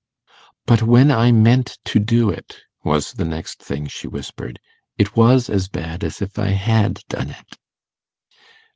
'But when I meant to do it,' was the next thing she whispered, 'it was as bad as if I had done it.